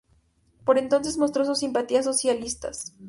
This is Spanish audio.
Por entonces, mostró sus simpatías socialistas.